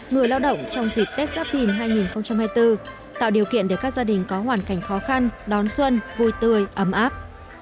người lao động trong dịp tết giáp thìn hai nghìn hai mươi bốn tạo điều kiện để các gia đình có hoàn cảnh khó khăn đón xuân vui tươi ấm áp